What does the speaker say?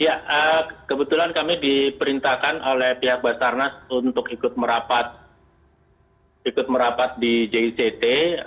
ya kebetulan kami diperintahkan oleh pihak basarnas untuk ikut merapat di jict